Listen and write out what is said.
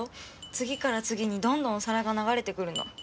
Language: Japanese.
次から次にどんどんお皿が流れてくるの。